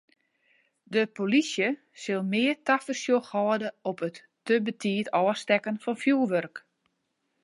De polysje sil mear tafersjoch hâlde op it te betiid ôfstekken fan fjoerwurk.